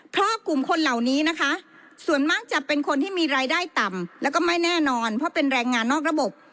เพราะกลุ่มคนเหล่านี้นะคะส่วนมากจะเป็นคนที่มีรายได้ต่ำแล้วก็ไม่แน่นอนเพราะเป็นแรงงานนอกระบบ